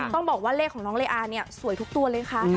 ต้องบอกว่าเลขของน้องเลอาเนี่ยสวยทุกตัวเลยค่ะ